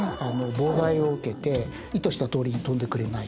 妨害を受けて意図したとおりに飛んでくれない。